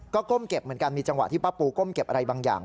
ก็ก้มเก็บเหมือนกันมีจังหวะที่ป้าปูก้มเก็บอะไรบางอย่าง